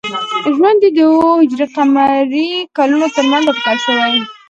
ژوند یې د او ه ق کلونو تر منځ اټکل شوی.